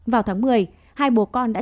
vào tháng một mươi hai bố con đã